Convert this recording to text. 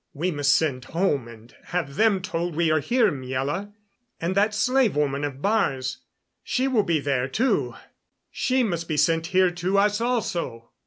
"We must send home and have them told we are here, Miela. And that slave woman of Baar's she will be there, too. She must be sent here to us also."